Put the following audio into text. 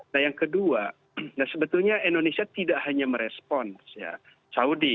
nah yang kedua sebetulnya indonesia tidak hanya merespons ya saudi